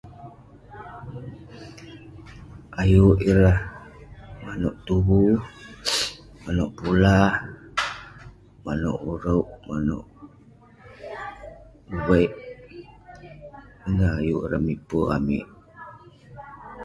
Ayuk ireh manouk tuvu, manouk polah, manouk urouk, manouk uveik, ineh ayuk ireh miper amik.